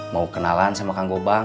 mau kenalan sama kang gobang